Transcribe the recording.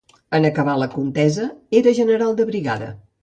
En acabar la contesa, era general de brigada.